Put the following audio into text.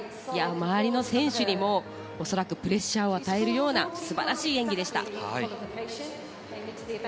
周りの選手にもプレッシャーを与えるような素晴らしい演技でした。